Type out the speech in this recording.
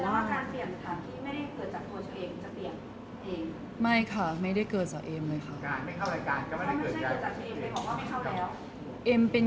แล้วว่าการเปลี่ยนสถานที่ไม่ได้เกิดจากตัวเธอเองจะเปลี่ยนเอง